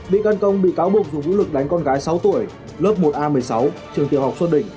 bị căn công bị cáo buộc dùng vũ lực đánh con gái sáu tuổi lớp một a một mươi sáu trường tiểu học xuân định